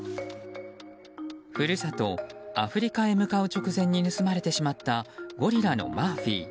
故郷アフリカへ向かう直前に盗まれてしまったゴリラのマーフィー。